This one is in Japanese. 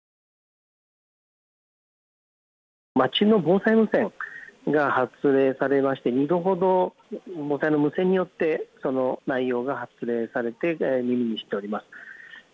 町の防災無線が発令されまして２度ほど防災の無線によってその内容が発令されています。